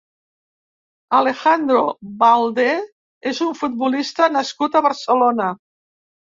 Alejandro Baldé és un futbolista nascut a Barcelona.